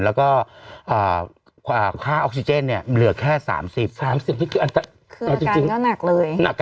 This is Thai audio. แล้วก็อ่าค่าออกซิเจนเนี้ยเหลือแค่สามสิบสามสิบที่คืออันตรายคืออาการก็หนักเลย